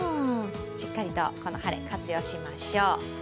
しっかりと、この晴れ、活用しましょう。